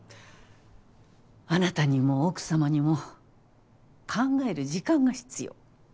あなたにも奥様にも考える時間が必要。